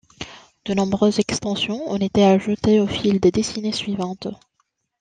De nombreuses extensions ont été ajoutées au fil des décennies suivantes.